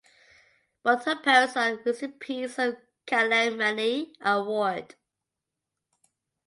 Both her parents are recipients of Kalaimamani Award.